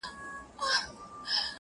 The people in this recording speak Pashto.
سل سپرلي دي را وسته چي راغلې ګلابونو کي,